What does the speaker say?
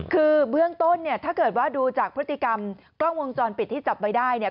คือเบื้องต้นเนี่ยถ้าเกิดว่าดูจากพฤติกรรมกล้องวงจรปิดที่จับไว้ได้เนี่ย